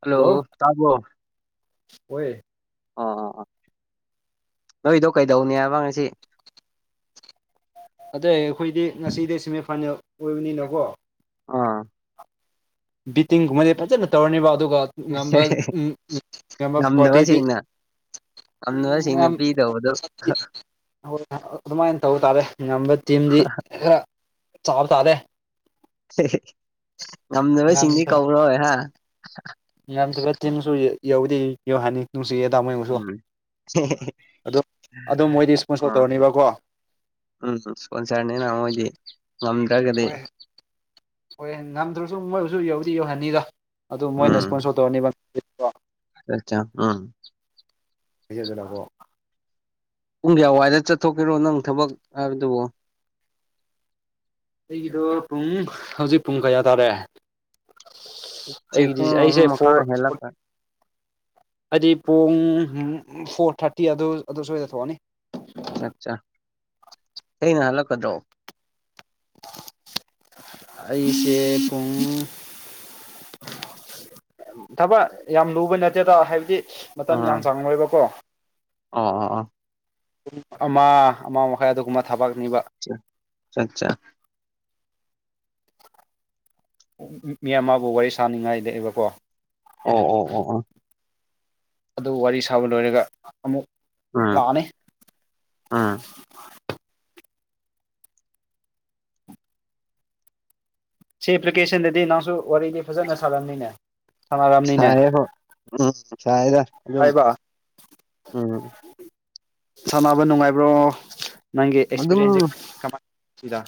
hello ꯇꯥꯕꯔꯣ ꯑꯣꯏ ꯑꯣ ꯑꯣ ꯑꯣ ꯅꯣꯏꯗꯣ ꯀꯩꯗꯧꯅꯤ ꯍꯥꯏꯕ ꯉꯁꯤ ꯑꯗꯩ ꯑꯩꯈꯣꯏꯗꯤ ꯉꯁꯤꯗꯤ ꯁꯦꯃꯤꯐꯥꯏꯅꯦꯜ ꯑꯣꯏꯕꯅꯤꯅꯀꯣ ꯑꯥ ꯕꯤꯇꯤꯡꯒꯨꯝꯕ ꯐꯖꯅ ꯇꯧꯔꯅꯤꯕꯥ ꯑꯗꯨꯒ ꯅꯝꯕꯔ ꯎꯝ ꯅꯝꯕꯔ ꯐꯣꯔꯇꯤꯗꯤ ꯌꯥꯝꯅꯁꯤꯡꯅ ꯄꯤꯗꯧꯕꯗꯣ ꯍꯣꯏ ꯑꯗꯨꯃꯥꯏꯅ ꯇꯧꯕ ꯇꯥꯔꯦ ꯉꯝꯕ ꯇꯤꯝꯗꯤ ꯈꯔ ꯆꯥꯕ ꯇꯥꯔꯦ ꯉꯝꯗꯕꯁꯤꯡꯗꯤ ꯀꯧꯔꯣꯏ ꯍꯥ ꯌꯥꯝꯁꯨ [unintelligible] ꯌꯥꯎꯗꯦ ꯌꯧ ꯍꯅꯤ ꯅꯨꯡꯁꯨ [unintelligible] ꯎꯝ ꯑꯗꯨ ꯑꯗꯨꯝ ꯃꯣꯏꯗꯤ ꯏꯁꯄꯣꯟꯁꯣꯔ ꯑꯥ ꯇꯧꯔꯅꯤꯕꯀꯣ ꯎꯝ ꯏꯁꯄꯣꯟꯁꯔꯅꯤꯅ ꯃꯣꯏꯗꯤ ꯉꯝꯗ꯭ꯔꯒꯗꯤ ꯍꯣꯏ ꯍꯣꯏ ꯅꯝꯗ꯭ꯔꯁꯨ ꯃꯣꯏꯁꯨ ꯌꯧꯗꯤ ꯌꯧꯍꯟꯅꯤꯗ ꯑꯗꯨ ꯃꯣꯏꯅ ꯎꯝ ꯏꯁꯄꯣꯟꯁꯣꯔ ꯇꯧꯔꯅꯤꯕ [unintelligible] ꯎꯝ [inaudible] ꯄꯨꯡ ꯀꯌꯥꯋꯥꯏꯗ ꯆꯠꯊꯣꯛꯀꯦꯔꯣ ꯅꯪ ꯊꯕꯛ ꯍꯥꯏꯕꯗꯨꯕꯣ ꯑꯩꯒꯤꯗꯣ ꯄꯨꯡ ꯍꯧꯖꯤꯛ ꯄꯨꯡ ꯀꯌꯥ ꯇꯥꯔꯦ ꯁꯤ ꯑꯩꯒꯤꯗꯤ ꯄꯨꯡ ꯑꯩꯁꯦ ꯑꯍꯨꯝ ꯃꯈꯥꯏ ꯐꯣꯔ ꯍꯦꯜꯂꯛꯀ ꯍꯥꯏꯗꯤ ꯄꯨꯡ ꯐꯣꯔ ꯊꯥꯔꯇꯤ ꯑꯗꯨ ꯑꯗꯨ ꯁ꯭ꯣꯏꯗ ꯊꯣꯛꯑꯅꯤ ꯑꯠꯆꯥ ꯆꯥ ꯑꯩꯅ ꯍꯜꯂꯛꯀꯗ꯭ꯔꯣ ꯑꯩꯁꯦ ꯄꯨꯡ ꯊꯕꯛ ꯌꯥꯝ ꯂꯨꯕ ꯅꯠꯇꯦꯗ ꯍꯥꯏꯕꯗꯤ ꯃꯇꯝ ꯑꯥ ꯌꯥꯝ ꯆꯥꯡꯉꯣꯏꯕꯀꯣ ꯑꯣ ꯑꯣ ꯑꯣ ꯄꯨꯡ ꯑꯃ ꯑꯃ ꯃꯈꯥꯏ ꯑꯗꯨꯒꯨꯝꯕ ꯊꯕꯛ ꯆꯠꯆꯥ ꯃꯤ ꯑꯃꯕꯨ ꯋꯥꯔꯤ ꯁꯥꯅꯤꯡꯉꯥꯏꯗꯕꯀꯣ ꯑꯣ ꯑꯣ ꯑꯣ ꯑꯣ ꯑꯗꯨ ꯋꯥꯔꯤ ꯁꯥꯕ ꯂꯣꯏꯔꯒ ꯑꯃꯨꯛ ꯎꯝ ꯂꯥꯛꯑꯅꯤ ꯎꯝ ꯁꯤ ꯑꯦꯄ꯭ꯂꯤꯀꯦꯁꯟꯗꯗꯤ ꯅꯪꯁꯨ ꯋꯥꯔꯤꯗꯤ ꯐꯖꯅ ꯁꯥꯔꯅꯤꯅꯦ ꯁꯥꯏꯕ ꯎꯝ ꯁꯥꯏꯗ ꯑꯗꯨꯝ ꯍꯥꯏꯕ ꯎꯝ ꯁꯥꯟꯅꯕ ꯅꯨꯡꯉꯥꯏꯕ꯭ꯔꯣ ꯅꯪꯒꯤ ꯑꯗꯨꯝ ꯑꯦꯛꯁꯄꯤꯔꯤꯌꯦꯦꯟꯁꯁꯦ ꯀꯃꯥꯏ ꯁꯤꯗ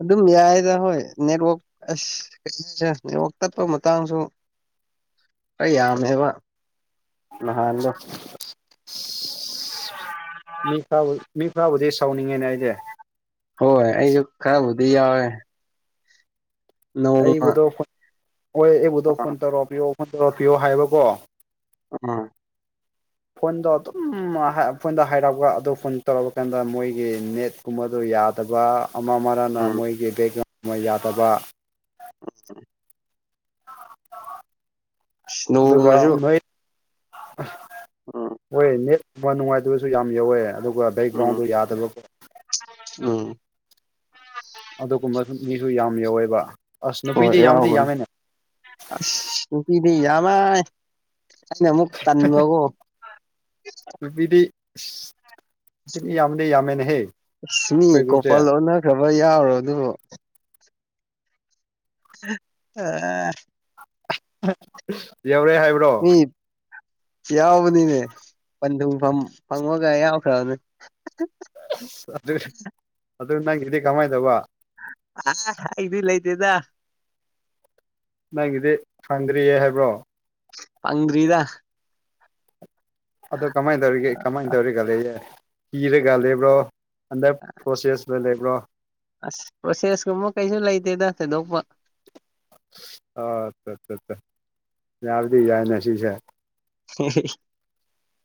ꯑꯗꯨꯝ ꯌꯥꯏꯌꯦꯗ ꯍꯣꯏ ꯅꯦꯠꯋꯥꯛ ꯑꯁ ꯀꯩꯅꯣꯁꯦ ꯅꯦꯠꯋꯣꯛ ꯇꯠꯄ ꯃꯇꯥꯡꯁꯨ ꯑꯩ ꯌꯥꯝꯃꯦꯕ ꯅꯍꯥꯟꯗꯣ ꯃꯤ ꯈꯔꯕꯨ ꯃꯤ ꯈꯔꯕꯨꯗꯤ ꯁꯥꯎꯅꯤꯡꯉꯦꯅꯦ ꯑꯩꯗꯤ ꯍꯣꯏ ꯑꯩꯁꯨ ꯈꯔꯕꯨꯗꯤ ꯌꯥꯎꯋꯦ ꯅꯣꯡꯃ ꯑꯩꯕꯨꯗꯣ ꯐꯣꯟ ꯍꯣꯏ ꯑꯩꯕꯨꯗꯣ ꯑꯥ ꯐꯣꯟ ꯇꯧꯔꯛꯄꯤꯌꯣ ꯐꯣꯟ ꯇꯧꯔꯛꯄꯤꯌꯣ ꯍꯥꯏꯕꯀꯣ ꯎꯝ ꯐꯣꯟꯗꯣ ꯑꯗꯨꯝ ꯐꯣꯟꯗ ꯍꯥꯏꯔꯛꯑꯒ ꯑꯗꯨ ꯐꯣꯟ ꯇꯧꯔꯛꯄ ꯀꯥꯟꯗ ꯃꯣꯏꯒꯤ ꯅꯦꯠ ꯀꯨꯝꯕꯗꯨ ꯌꯥꯗꯕ ꯑꯃ ꯑꯃꯔꯅ ꯎꯝ ꯃꯣꯏꯒꯤ ꯕꯦꯛꯒ꯭ꯔꯥꯎꯟꯒꯨꯝ ꯑꯃ ꯌꯥꯗꯕ [unintelligible] ꯑꯗꯨꯒ ꯅꯣꯡꯃꯁꯨ ꯅꯣꯏ ꯎꯝ ꯃꯣꯏ ꯅꯦꯠ ꯍꯣꯏ ꯅꯨꯡꯉꯥꯏꯇꯕꯁꯨ ꯌꯥꯝ ꯌꯧꯋꯦ ꯑꯗꯨꯒ ꯎꯝ ꯕꯦꯛꯒ꯭ꯔꯥꯎꯟꯗꯣ ꯌꯥꯗꯕ ꯎꯝ ꯑꯗꯨꯒꯨꯝꯕꯁꯨ ꯃꯤꯁꯨ ꯌꯥꯝ ꯌꯧꯋꯦꯕ ꯑꯁ ꯍꯣꯏ ꯅꯨꯄꯤꯗꯤ ꯌꯥꯝꯗꯤ ꯌꯧꯕꯅꯦ ꯌꯥꯝꯃꯦꯅꯦ ꯑꯁ ꯅꯨꯄꯤꯗꯤ ꯌꯥꯝꯃꯦ ꯑꯁꯤꯅ ꯑꯃꯨꯛ ꯇꯥꯟꯕꯒꯣ ꯅꯨꯄꯤꯗꯤ ꯌꯥꯝꯃꯅꯦ ꯌꯥꯝꯃꯦꯅꯦꯍꯦ ꯁ ꯃꯤ ꯑꯩꯈꯣꯏ ꯒ꯭ꯔꯨꯞꯁꯦ ꯀꯣꯄꯜ ꯑꯣꯟꯅꯈ꯭ꯔꯕ ꯌꯥꯎꯔꯣ ꯗꯨꯕꯨ ꯑ ꯌꯎꯔꯦ ꯍꯥꯏꯕ ꯃꯤ ꯌꯥꯎꯕꯅꯤꯅꯦ ꯄꯟꯊꯨꯡꯐꯝ ꯐꯪꯕꯒ ꯌꯥꯎꯈ꯭ꯔꯕꯅꯦ ꯑꯁ ꯑꯗꯨ ꯅꯪꯒꯤꯗꯤ ꯀꯃꯥꯏ ꯇꯧꯕ ꯑ ꯑꯩꯗꯤ ꯂꯩꯇꯦꯗ ꯅꯪꯒꯤꯗꯤ ꯐꯪꯗ꯭ꯔꯤꯌꯦ ꯍꯥꯏꯕ꯭ꯔꯣ ꯐꯪ꯭ꯗꯔꯤꯗ ꯑꯗꯣ ꯀꯃꯥꯏꯟ ꯇꯧꯔꯤꯒꯦ ꯀꯃꯥꯏꯟ ꯇꯧꯔꯤꯒ ꯂꯩꯌꯦ ꯀꯤꯔꯒ ꯂꯩꯕ꯭ꯔꯣ ꯑꯟꯗꯔ ꯄ꯭ꯔꯣꯁꯦꯁꯇ ꯂꯩꯕ꯭ꯔꯣ ꯑꯁ ꯄ꯭ꯔꯣꯁꯦꯁ ꯀꯨꯝꯕ ꯀꯩꯁꯨ ꯂꯩꯇꯦꯗ ꯊꯣꯏꯗꯣꯛꯄ ꯑ ꯆꯥ ꯆꯥ ꯆꯥ ꯌꯥꯕꯗꯤ ꯌꯥꯏꯅ ꯁꯤꯁꯦ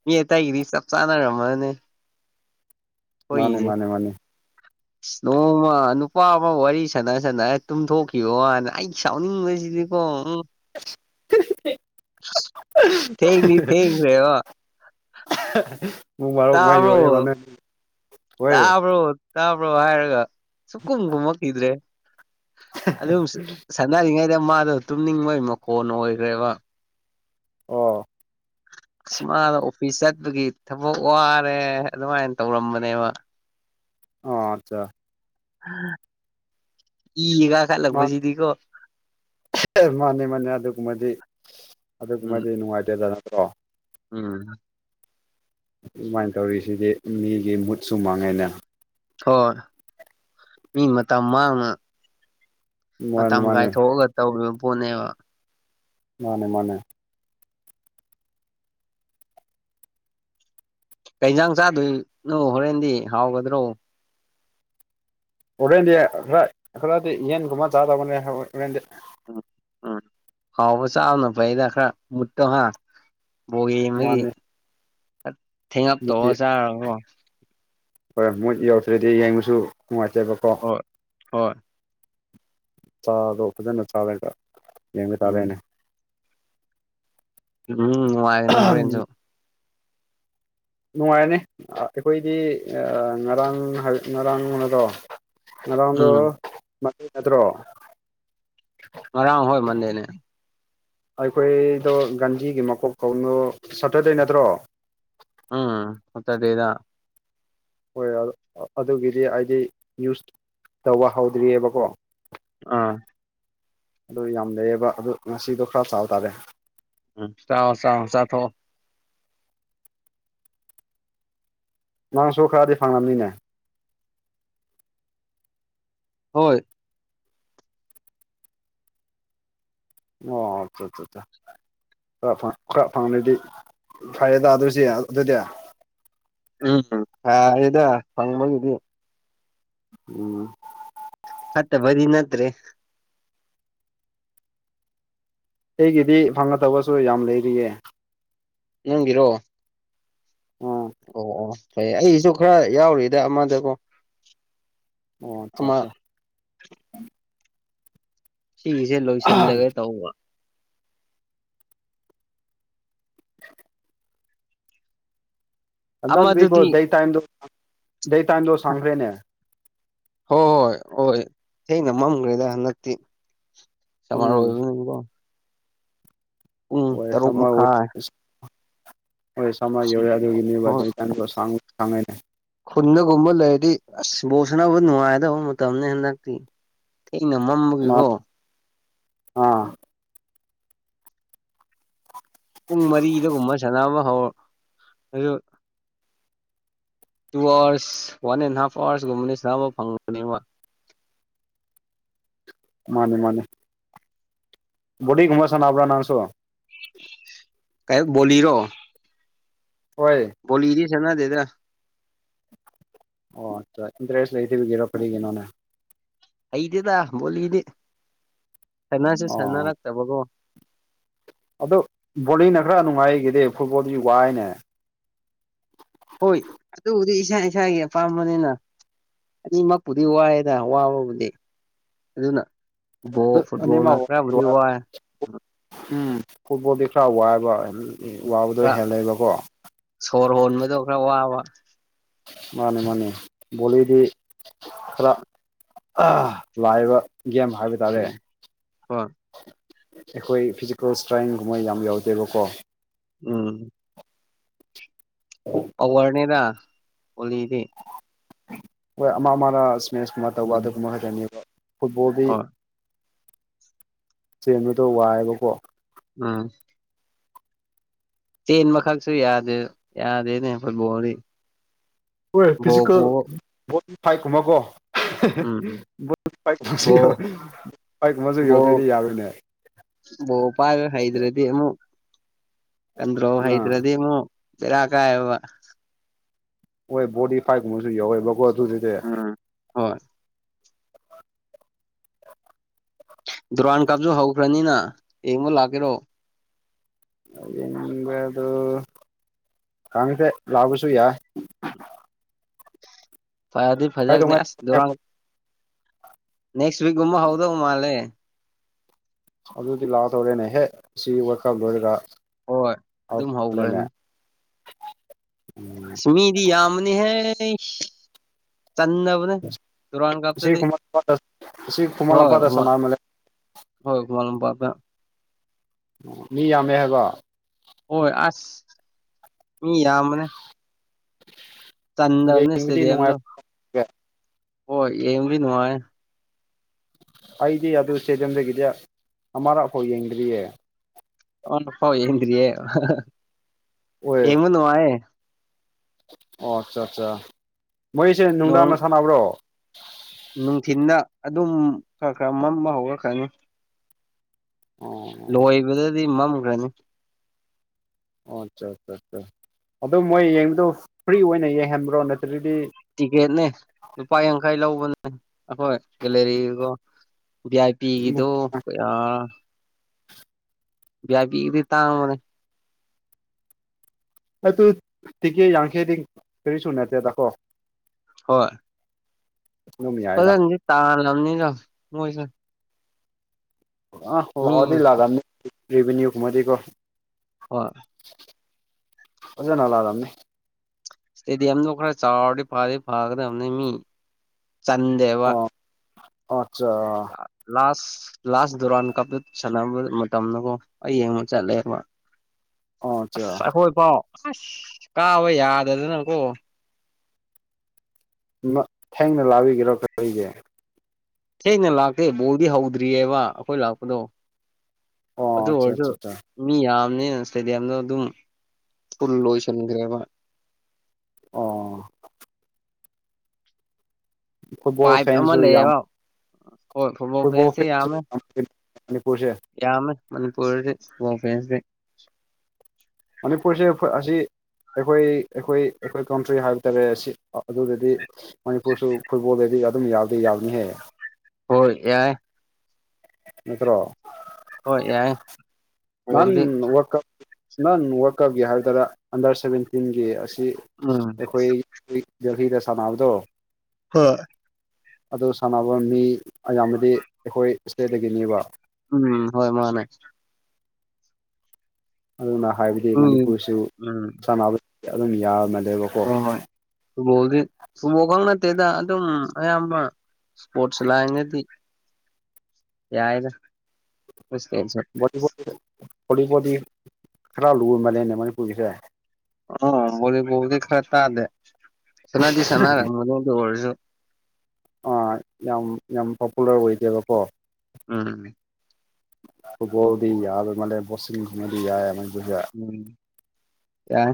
ꯃꯤ ꯑꯇꯩꯒꯤꯗꯤ ꯆꯞ ꯆꯥꯟꯅꯔꯝꯃꯅꯦ ꯃꯥꯅꯤ ꯈꯣꯏꯒꯤꯖꯦ ꯃꯥꯅꯤ ꯃꯥꯅꯤ ꯅꯣꯡꯃ ꯅꯨꯄꯥ ꯑꯃ ꯋꯥꯔꯤ ꯁꯅ ꯁꯥꯅꯔꯥ ꯇꯨꯝꯊꯣꯛꯈꯤꯕ ꯋꯥꯅꯦꯑꯩ ꯁꯥꯎꯅꯤꯡꯕꯁꯤꯗꯤꯀꯣ ꯎꯝ [unintelligible] ꯊꯦꯡꯗꯤ ꯊꯦꯡ꯭ꯈꯔꯦꯑꯣ ꯇꯥꯕ꯭ꯔꯣ [unintelligible] ꯍꯣꯏ ꯇꯥꯕ꯭ꯔꯣ ꯇꯥꯕ꯭ꯔꯣ ꯍꯥꯏꯔꯒ ꯁꯨꯛꯈꯨꯝ ꯈꯨꯝꯃꯛꯈꯤꯗ꯭ꯔꯦ ꯑꯗꯨꯝ ꯁꯅꯔꯤꯉꯩꯗ ꯃꯥꯗꯣ ꯇꯨꯝꯅꯤꯡꯕꯩ ꯃꯈꯣꯟ ꯑꯣꯏꯈ꯭ꯔꯦꯕ ꯑꯣ ꯑꯁ ꯃꯗꯣ ꯐꯤꯁ ꯆꯠꯄꯒꯤ ꯊꯕꯛ ꯋꯥꯔꯦ ꯑꯗꯨꯃꯥꯏꯟ ꯇꯧꯔꯝꯕꯅꯦꯕ ꯑꯣ ꯑꯠꯆꯥ ꯏ ꯈꯠꯂꯛꯄꯁꯤꯗꯤꯀꯣ ꯃꯥꯅꯦ ꯃꯥꯅꯦ ꯑꯗꯨꯒꯨꯝꯕꯗꯤ ꯎꯝ ꯑꯗꯨꯒꯨꯝꯕꯗꯤ ꯅꯨꯡꯉꯥꯏꯇꯦꯗꯅꯀꯣ ꯎꯝ ꯑꯗꯨꯃꯥꯏꯟ ꯇꯧꯔꯤꯁꯤꯗꯤ ꯃꯤꯒꯤ ꯃꯨꯠꯁꯨ ꯃꯥꯡꯉꯦꯅꯦ ꯍꯣꯏ ꯃꯤ ꯃꯇꯝ ꯃꯥꯡꯅ ꯃꯥꯅꯦ ꯃꯇꯝ ꯃꯥꯅꯦ ꯀꯥꯏꯊꯣꯛꯑꯒ ꯇꯧꯔꯤꯕ ꯄꯣꯠꯅꯦꯕ ꯃꯥꯅꯦ ꯃꯥꯅꯦ ꯀꯩ ꯏꯟꯖꯥꯡ ꯆꯥꯗꯣꯏ ꯅꯣ ꯍꯣꯔꯦꯟꯗꯤ ꯍꯥꯎꯒꯗ꯭ꯔꯣ ꯍꯣꯔꯦꯟꯗꯤ ꯈꯔ ꯈꯔꯗꯤ ꯌꯦꯟꯒꯨꯝꯕ ꯆꯥꯗꯕꯅꯦ [unintelligible] ꯍꯣꯔꯦꯟꯗꯤ ꯎꯝ ꯎꯝ ꯍꯥꯎꯕ ꯆꯥꯕꯅ ꯐꯩꯗ ꯈꯔ ꯃꯨꯠꯇꯣ ꯍꯥꯥ ꯕꯣꯜ ꯌꯦꯡꯕꯒꯤ ꯃꯥꯅꯤ ꯃꯨꯠ ꯊꯦꯡꯉꯛꯇꯧꯕ ꯆꯥꯔꯒꯥꯀꯣ ꯍꯣꯏ ꯃꯣꯏꯠ ꯌꯧꯗ꯭ꯔꯗꯤ ꯌꯦꯡꯕꯁꯨ ꯅꯨꯡꯉꯥꯏꯇꯦꯕꯀꯣ ꯍꯣꯏ ꯍꯣꯏ ꯆꯥꯗꯣ ꯐꯖꯅ ꯆꯥꯔꯒ ꯌꯦꯡꯕ ꯎꯝ ꯇꯥꯔꯦꯅꯦ ꯎꯝ ꯅꯨꯡꯉꯥꯏꯒꯅꯤ ꯍꯣꯔꯦꯟꯖꯨ ꯅꯨꯡꯉꯥꯏꯅꯤ ꯑꯩꯈꯣꯏꯗꯤ ꯉꯔꯥꯡ ꯍꯥꯏ ꯉꯔꯥꯡꯅꯗꯣ ꯉꯗꯥꯝꯗ ꯎꯝ ꯃꯥꯟꯗꯦ ꯅꯠꯇ꯭ꯔꯣ ꯉꯔꯥꯡ ꯍꯣꯏ ꯃꯟꯗꯦꯅꯦ ꯑꯩꯈꯣꯏꯗꯣ ꯒꯥꯟꯙꯤꯒꯤ ꯃꯀꯣꯛ ꯀꯧꯅꯨ ꯁꯇꯔꯗꯦ ꯅꯠꯇ꯭ꯔꯣ ꯎꯝ ꯁꯠꯇꯔꯗꯦꯗ ꯍꯣꯏ ꯑꯗꯨꯒꯤꯗꯤ ꯑꯩꯗꯤ ꯌꯨꯁ ꯇꯧꯕ ꯍꯧꯗ꯭ꯔꯤꯑꯕꯀꯣ ꯑꯥ ꯑꯗꯨ ꯌꯥꯝ ꯂꯩꯑꯕ ꯑꯗꯨ ꯉꯁꯤꯗꯣ ꯈꯔ ꯆꯥꯎꯕ ꯇꯥꯔꯦ ꯎꯝ ꯆꯑꯣ ꯁꯥꯥꯎ ꯁꯥ ꯊꯣ ꯅꯥꯡꯁꯨꯣ ꯈꯔꯗꯤ ꯐꯪꯅꯕꯅꯤꯅꯦ ꯍꯣꯏ ꯑꯣ ꯑꯆꯥ ꯈꯔ ꯈꯔ ꯐꯪꯗꯗꯤ ꯐꯔꯦ ꯇ ꯑꯗꯨꯁ ꯑꯗꯨꯗꯤ ꯎꯝꯝ ꯏꯗ ꯐꯪꯃꯒꯗꯤ ꯎꯝ ꯃꯠꯇꯕꯗꯤ ꯅꯠꯇ꯭ꯔꯦ ꯑꯩꯒꯤꯗꯤ ꯐꯪꯒꯗꯕꯁꯨ ꯌꯥꯝ ꯂꯩꯔꯤꯌꯦ ꯅꯪꯕꯤꯔꯣꯑꯣ ꯎꯝ ꯑꯣ ꯑꯣ ꯐꯩ ꯑꯩꯁꯨ ꯈꯔ ꯌꯥꯎꯔꯤꯗ ꯑꯃꯗꯀꯣ ꯑꯣ ꯑꯠꯆꯥ ꯑꯃ ꯑꯆꯥ ꯁꯤꯒꯤꯁꯦ ꯂꯣꯏꯁꯤꯜꯂꯒꯦ ꯇꯧꯕ ꯍꯟꯗꯛꯇꯗꯤꯀꯣ ꯑꯃꯗꯨꯗꯤ ꯗꯩ ꯇꯥꯏꯝꯗꯣ ꯗꯩ ꯇꯥꯏꯝꯗꯣ ꯁꯪꯈ꯭ꯔꯦꯅꯦ ꯍꯣꯏ ꯍꯣꯏ ꯍꯣꯏ ꯊꯦꯡꯅ ꯃꯝꯈ꯭ꯔꯦꯗ ꯍꯟꯗꯛꯇꯤ ꯁꯃꯔ ꯎꯝ ꯑꯣꯏꯕꯅꯤꯀꯣ ꯍꯣꯏ ꯇꯔꯨꯛ ꯁꯃ ꯑꯣꯏ ꯃꯈꯥꯏ ꯍꯣꯏꯝꯃ ꯌꯧꯔꯦ ꯑꯗꯨꯒꯤꯅꯦ ꯍꯣꯏ ꯑꯗꯨꯇꯪꯗ ꯁꯥꯡꯉꯩꯅꯦ ꯈꯨꯟꯗꯒꯨꯝꯕ ꯂꯩꯔꯗꯤ ꯑꯁ ꯕꯣꯛꯁꯅꯕ ꯅꯨꯡꯉꯥꯏꯗꯕ ꯃꯇꯝꯅꯤ ꯍꯟꯗꯛꯇꯤ ꯊꯅ ꯃꯝꯝꯕꯒꯤꯀꯣ ꯑ ꯄꯨꯡ ꯃꯔꯤꯗꯒꯨꯝꯕ ꯁꯥꯟꯅꯕ ꯍꯧꯔꯣ ꯑꯗꯨ two hours one and half ꯑꯥꯋꯔꯁꯀꯨꯝꯕꯅꯤ ꯁꯅꯥ ꯑꯃ ꯐꯪꯕꯅꯦꯕ ꯃꯥꯅꯦ ꯃꯥꯅꯦ ꯕꯨꯗꯤ ꯒꯨꯝꯕ ꯁꯅꯥꯕꯥ ꯅꯥꯪꯁꯨ ꯀꯩ ꯕꯣꯜꯂꯤꯔꯣ ꯍꯣꯏ ꯕꯣꯜꯂꯤꯗꯤ ꯆꯠꯅꯗꯦꯗ꯭ꯔꯥ ꯑꯣ ꯏꯟꯦꯁ ꯂꯩꯇꯣꯏꯕ ꯒꯤꯔꯣꯄꯤꯒ ꯅꯅꯦ ꯍꯩꯗꯤꯦꯗ ꯣꯠꯂꯤꯗꯤ ꯁꯅꯁꯨ ꯑꯣ ꯁꯥꯟꯅꯔꯛꯇꯕꯀꯣ ꯑꯗꯣ ꯕꯣꯂꯤꯡꯅ ꯈꯔ ꯅꯨꯡꯉꯥꯏꯈꯤꯗꯤ ꯐꯨꯠꯕꯣꯜꯗꯨꯗꯤ ꯋꯥꯏꯅꯦ ꯍꯣꯏ ꯑꯗꯨꯕꯨꯗꯤ ꯏꯁꯥ ꯏꯁꯥꯒꯤ ꯑꯄꯥꯝꯕꯅꯤꯅ ꯑꯅꯤꯃꯛꯄꯨꯗꯤ ꯋꯥꯏꯑꯦꯗ ꯋꯥꯕꯕꯨꯗꯤ ꯑꯗꯨꯅ ꯕꯣ ꯑꯗꯨ ꯐꯨꯠꯕꯣꯜ ꯅ ꯈꯔ꯭ꯕꯨꯗꯤ ꯑꯅꯤꯃꯛ ꯋꯥꯏ ꯎꯝ ꯐꯨꯠꯕꯣꯜꯗꯤ ꯈꯔ ꯋꯥꯏꯕ ꯋꯥꯕꯗꯣ ꯈꯔ ꯍꯦꯜꯂꯦꯕꯀꯣ ꯁꯣꯔ ꯍꯣꯟꯕꯗꯣ ꯈꯔ ꯋꯥꯕ ꯃꯥꯅꯤ ꯃꯥꯅꯦ ꯕꯣꯂꯤꯗꯤ ꯈꯔ ꯂꯥꯏꯕ ꯒꯦꯝ ꯍꯥꯏꯕ ꯇꯥꯔꯦ ꯎꯝ ꯍꯣꯏ ꯑꯩꯈꯣꯏ ꯐꯤꯖꯤꯀꯦꯜ ꯏꯁꯇ꯭ꯔꯦꯡꯒꯨꯝꯕ ꯌꯥꯝ ꯌꯥꯎꯗꯦꯕꯀꯣ ꯎꯝ [unintelligible] ꯄꯋꯥꯔꯅꯦꯗ ꯍꯂꯤꯗꯤ ꯍꯣꯏ ꯑꯃ ꯑꯃꯅ ꯏꯁꯃꯦꯃꯦꯁꯀꯨꯝꯕ ꯇꯧꯕ ꯎꯝ ꯑꯗꯨꯒꯨꯝꯕ ꯈꯛꯇꯅꯦꯕ ꯐꯨꯠꯕꯣꯜꯗꯤ ꯍꯣꯏ ꯆꯦꯟꯕꯗꯣ ꯋꯥꯏꯑꯦꯕꯀꯣ ꯎꯝ ꯇꯦꯟ ꯃꯈꯈꯛꯁꯨ ꯌꯥꯗꯦ ꯌꯥꯗꯦꯅꯦ ꯐꯨꯠꯕꯣꯜꯗꯤ ꯍꯣꯏ ꯕꯣꯜ ꯐꯤꯖꯤꯀꯦꯜ ꯄꯨꯕ ꯕꯣꯗꯤ ꯐꯥꯏꯠꯀꯨꯝꯕꯀꯣ ꯎꯝ ꯕꯣꯜ ꯄꯛꯨꯝ ꯑꯃꯁꯨ ꯌꯧꯗꯣꯏꯗꯤ ꯌꯥꯕꯣꯏꯅꯦ ꯚꯣꯄꯥꯜ ꯍꯩꯗ꯭ꯔꯥꯗꯤ ꯑꯃ ꯀꯟꯗ꯭ꯔꯣ ꯑꯥ ꯍꯩꯗ꯭ꯔꯥꯗꯤ ꯑꯃ ꯐꯔꯥ ꯀꯥꯏꯑꯕ ꯍꯣꯏ ꯕꯣꯗꯤ ꯄꯥꯏꯞꯀꯨꯝꯕꯁꯨ ꯌꯥꯎꯋꯦꯕꯀꯣ ꯑꯗꯨꯗꯨꯗꯤ ꯎꯝ ꯍꯣꯏ ꯗꯨꯔꯥꯟ ꯀꯥꯞꯁꯨ ꯍꯧꯈ꯭ꯔꯅꯤꯅ ꯌꯦꯡꯕ ꯂꯥꯛꯀꯦꯔꯣ ꯌꯦꯅꯤꯡꯕ ꯑꯗꯨ ꯀꯃꯤꯁꯦ ꯂꯥꯎꯁꯨ ꯌꯥ ꯐꯔ ꯑꯗꯨꯗꯤ ꯐꯖꯒꯅꯦ ꯑꯁ ꯀꯩꯗꯧꯉꯩ ꯗꯔꯥꯡ ꯅꯦꯛꯁ ꯋꯤꯛꯀꯨꯝꯕ ꯍꯧꯗꯧ ꯃꯥꯜꯂꯦ ꯑꯗꯨꯗꯤ ꯂꯥꯛꯇꯧꯔꯦꯅꯦ ꯍꯦꯛ ꯁꯤ ꯋꯥꯀꯞ ꯍꯣꯏ ꯑꯗꯨꯝ ꯍꯧꯈ꯭ꯔꯅꯤ ꯂꯣꯏꯔꯒꯂꯦꯅꯦ [unintelligible] ꯃꯤꯗꯤ ꯌꯥꯝꯕꯅꯤ ꯍꯦ ꯆꯟꯗꯕꯅꯦ ꯇꯨꯔꯥꯟ ꯁꯤ ꯀꯞꯇꯗꯤ ꯈꯨꯃꯟ ꯂꯝꯄꯥꯛꯇ ꯁꯤ ꯈꯨꯃꯟ ꯍꯣꯏ ꯂꯝꯄꯥꯛꯇ ꯁꯥꯟꯅꯕꯅꯦ ꯍꯣꯏ ꯃꯥꯝ ꯄꯥꯃꯦ ꯎ ꯃꯤ ꯌꯥꯝꯃꯦ ꯍꯥꯏꯕꯣ ꯍꯣꯏ ꯑꯁ ꯃꯤ ꯌꯥꯝꯕꯅꯦ ꯇꯟꯗꯔꯅꯦ ꯌꯦꯡꯕꯗꯤ ꯁꯤꯇꯦꯗꯤ ꯑꯦꯝꯗ ꯅꯨꯡꯉꯥꯏꯕꯒꯦ ꯍꯣꯏꯦꯝ ꯅꯅꯨꯡꯉ ꯑꯩꯗꯤ ꯑꯗꯨ ꯏꯁꯇꯦꯗꯤꯌꯝꯗꯒꯤꯗꯤ ꯑꯃꯔꯛꯐꯥꯎ ꯌꯦꯡꯗ꯭ꯔꯤꯌꯦ ꯑꯅ ꯄꯥꯎ ꯌꯦꯟ꯭ꯌꯦ ꯍꯣꯏ ꯌꯦꯉ ꯑꯗꯨ ꯋꯥꯑꯦ ꯑꯣ ꯑꯠꯆꯥ ꯑꯠꯆꯥ ꯃꯣꯏꯁꯦ ꯅꯨꯡꯗꯥꯡꯅ ꯁꯥꯟꯅꯕ꯭ꯔꯣ ꯅꯨꯡꯊꯤꯗ ꯑꯗꯨꯝ ꯈꯔ ꯈꯔ ꯃꯝꯕ ꯍꯧꯔꯛꯈ꯭ꯔꯅꯤ ꯑꯣ ꯂꯣꯏꯕꯗꯗꯤ ꯃꯝꯈ꯭ꯔꯅꯤ ꯑꯣ ꯑꯠꯆꯥ ꯑꯠꯆꯥ ꯑꯠꯆꯥ ꯑꯗꯣ ꯃꯣꯏ ꯌꯦꯡꯕꯗꯣ ꯐ꯭ꯔꯤ ꯑꯣꯏꯅ ꯌꯦꯡꯍꯟꯕ꯭ꯔꯣ ꯅꯠꯇ꯭ꯔꯗꯤ ꯇꯤꯛꯀꯦꯠꯅꯦ ꯂꯨꯄꯥ ꯌꯥꯡꯈꯩ ꯂꯧꯕꯅꯦ ꯑꯩꯈꯣꯏ ꯒꯦꯂꯔꯤꯒꯣ ꯚ ꯑꯏ ꯄꯤ ꯒꯤꯗꯣ ꯕꯕꯤꯗꯤ ꯇꯥꯡ ꯃꯅꯦ ꯑꯩ ꯇꯨ ꯇꯤꯀꯦ ꯌꯥꯡꯈꯩꯗꯤ ꯀꯔꯤꯁꯨ ꯅꯠꯇꯦ ꯇꯀꯣ ꯍꯣꯏ ꯑꯗꯨꯝ ꯌꯥꯏꯗ ꯐꯖꯗꯤ ꯇꯥ ꯂꯝꯅꯤꯗ ꯃꯣꯏꯁ ꯑꯥ ꯃꯤ ꯑꯥꯎꯗꯤ ꯂꯥꯛꯒꯥꯝꯅꯤ ꯔꯦꯚꯅꯌꯨ ꯈꯃꯥꯏꯗꯤꯀꯣ ꯍꯣꯏ ꯀꯁꯅꯂ ꯇꯝꯅꯤ ꯏꯁꯇꯦꯗꯤꯌꯝꯗꯣ ꯈꯔ ꯆꯥꯎꯔꯗꯤ ꯐꯗꯤ ꯐꯒꯗꯕꯅꯤ ꯃꯤ ꯆꯟꯗꯦꯕ ꯑꯆꯥ ꯂꯥꯁ ꯂꯥꯁ ꯗꯔꯥꯎꯥꯟ ꯀꯞꯇ ꯁꯥꯟꯅꯕ ꯃꯇꯝꯗꯒꯣ ꯍꯌꯦꯡꯕ ꯆꯠꯂꯦꯕ ꯑꯣ ꯑꯠꯆꯥ ꯑꯁ ꯑꯩꯈꯣꯏ ꯄꯥꯎ ꯑꯁ ꯀꯥꯕ ꯌꯥꯗꯗꯅꯀꯣ ꯊꯦꯡꯅ ꯂꯥꯛꯕꯤꯒꯔꯣ ꯀꯔꯤꯁꯦ ꯁꯦꯡꯅ ꯂꯥꯛꯇꯦ ꯕꯣꯜꯗꯤ ꯍꯧꯗ꯭ꯔꯤꯑꯕ ꯑꯩꯈꯣꯏ ꯂꯥꯛꯄꯗꯣ ꯑꯣ ꯑꯗꯨ ꯑꯠꯆꯥ ꯑꯣꯏꯔꯁꯨ ꯑꯠꯆꯥ ꯃꯤ ꯌꯥꯝꯅꯦ ꯏꯁꯇꯦꯗꯤꯌꯝꯗ ꯑꯗꯨꯝ ꯐꯜ ꯂꯣꯏꯁꯤꯟꯈ꯭ꯔꯦꯕ ꯑꯣ ꯐꯨꯠꯕꯣꯜ ꯄꯥꯏꯞ ꯑꯃ ꯐꯦꯟꯁꯨ ꯌꯥꯝ ꯂꯩꯌꯦꯕ ꯍꯣꯏ ꯐꯨꯠꯕꯣꯜ ꯐꯦꯟꯁꯁꯦ ꯐꯦꯟꯁꯨ ꯌꯥꯝꯃꯦ ꯌꯥꯝ ꯃꯅꯤꯄꯨꯔꯁꯦ ꯌꯥꯝꯃꯦ ꯃꯅꯤꯄꯨꯔ ꯍ ꯐꯦꯁꯦ ꯃꯅꯤꯄꯨꯔꯁꯦ ꯑꯦꯍꯣꯏ ꯑꯁꯤ ꯑꯩꯈꯣꯏ ꯑꯩꯈꯣꯏ ꯑꯩꯈꯣꯏ ꯀꯥꯎꯟꯇ꯭ꯔꯤ ꯍꯥꯏꯕ ꯇꯥꯔꯦ ꯑꯁꯤ ꯑꯗꯨꯗꯗꯤ ꯃꯅꯤꯄꯨꯔꯁꯨ ꯐꯨꯠꯕꯣꯜꯗꯗꯤ ꯑꯗꯨꯝ ꯌꯥꯎꯗꯤ ꯌꯥꯅꯤꯍꯦꯛ ꯍꯣꯏ ꯌꯥꯏ ꯅꯠꯇ꯭ꯔꯣ ꯍꯣꯏ ꯌꯥꯏ ꯅꯍꯥꯟ ꯕꯣꯜꯗꯤ ꯋꯥꯔꯜ ꯀꯞ ꯅꯍꯥꯟ ꯋꯥꯔꯜ ꯀꯞꯀꯤ ꯍꯥꯏ ꯇꯔꯥ ꯑꯟꯗꯔ ꯁꯚꯦꯟꯇꯤꯟꯒꯤ ꯑꯁꯤ ꯎꯝ ꯑꯩꯈꯣꯏ ꯖꯜꯍꯤꯗ ꯁꯥꯟꯅꯕꯗꯣ ꯍꯣꯏ ꯑꯗꯨ ꯁꯥꯟꯅꯕ ꯃꯤ ꯑꯌꯥꯝꯕꯗꯤ ꯑꯩꯈꯣꯏ ꯏꯁꯇꯦꯠꯇꯒꯤꯅꯦꯕ ꯎꯝ ꯍꯣꯏ ꯃꯥꯅꯦ ꯑꯗꯨꯅ ꯍꯥꯏꯕꯗꯤ ꯎꯝ ꯃꯅꯤꯄꯨꯔꯁꯨ ꯎꯝ ꯁꯥꯟꯅꯕ ꯑꯗꯨꯝ ꯌꯥꯅ ꯂꯩꯦꯕꯀꯣ ꯐꯨꯕꯣꯜꯗꯤ ꯐꯨꯕꯣꯜ ꯈ ꯅꯠꯇꯦꯗ ꯑꯗꯨꯝ ꯑꯌꯥꯝꯕ ꯁꯄꯣꯔꯠꯁ ꯂꯅꯗꯤ ꯌꯥꯏꯔ ꯣꯕꯣ ꯣꯂꯤꯕꯣꯜꯗꯤ ꯈꯦꯂ ꯂꯨ ꯃꯂꯦꯅꯦ ꯃꯅꯤꯄꯨꯔꯔꯤꯁꯦ ꯑꯣ ꯕꯣꯂꯤꯕꯣꯜꯗꯤ ꯈꯔ ꯇꯥꯗꯦ ꯁꯅꯥꯗꯤ ꯁꯥꯟꯅꯔꯦ ꯃꯗꯤ ꯑꯣꯏꯔꯁꯨ ꯑꯥ ꯌꯥꯝ ꯌꯥꯝ ꯄꯣꯄꯨꯂꯔ ꯑꯣꯏꯗꯦꯕꯀꯣ ꯎꯝ ꯐꯨꯕꯣꯜꯗꯤ ꯌꯥꯗ ꯃꯂꯦ ꯣꯛꯁꯤ ꯃꯗꯤ ꯌꯥꯏ ꯃꯕꯨꯖ ꯎꯝ ꯌꯥꯏ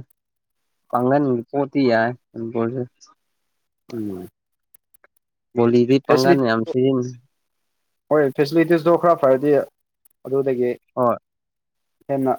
ꯄꯥꯡꯒꯟꯒꯤ ꯄꯣꯠꯇꯤ ꯌꯥꯏ ꯑꯗꯨꯣꯁꯨ ꯎꯝ ꯣꯕꯤꯠ ꯐꯦꯁꯤꯂꯤ ꯄꯪꯒꯥꯅꯤ ꯌꯥꯝ ꯁꯤꯖꯤ ꯍꯣꯏ ꯐꯦꯁꯤꯂꯤꯇꯤꯁꯇꯣ ꯈꯔ ꯐꯔꯗꯤ ꯑꯗꯨꯗꯒꯤ ꯍꯣꯏ ꯍꯟꯅ